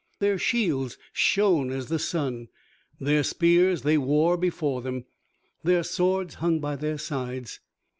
Their shields shone as the sun, their spears they wore before them, their swords hung by their sides.